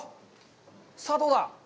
さあ、どうだ！？